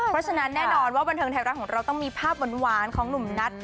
เพราะฉะนั้นแน่นอนว่าบันเทิงไทยรัฐของเราต้องมีภาพหวานของหนุ่มนัท